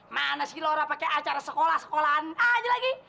mana si lora pake acara sekolah sekolahan aja lagi